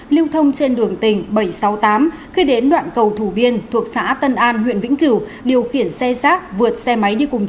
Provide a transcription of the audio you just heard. lưu thông trên đường tỉnh bảy trăm sáu mươi tám khi đến đoạn cầu thủ biên thuộc xã tân an huyện vĩnh cửu điều khiển xe rác vượt xe máy đi cùng chiều